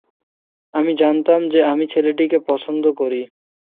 আমি জানতাম যে আমি ছেলেটিকে পছন্দ করি।